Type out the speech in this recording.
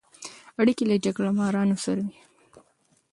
اړیکې له جګړه مارانو سره وې.